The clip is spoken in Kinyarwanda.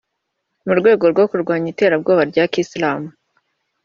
mu rwego rwo kurwanya iterabwoba rya kiyisilamu